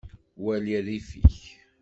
Wali rrif-ik.